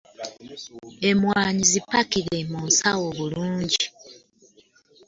Emwanyi zipakire mu nsawo bulungi.